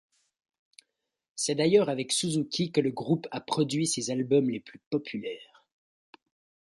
C'est d'ailleurs avec Suzuki que le groupe a produit ses albums les plus populaires.